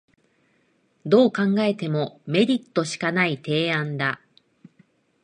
どう考えてもメリットしかない提案だ